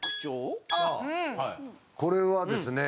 これはですね